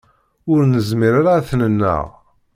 Ur nezmir ara ad t-nenneɣ.